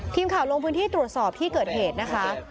ทีมข่าวลงพื้นที่ตรวจสอบที่เกิดเหตุนะคะ